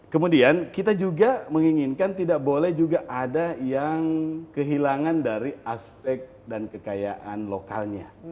kemudian kita juga menginginkan tidak boleh juga ada yang kehilangan dari aspek dan kekayaan lokalnya